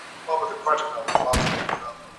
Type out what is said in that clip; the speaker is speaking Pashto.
انارګل به خپله رمه سبا بیا دښتې ته یوسي.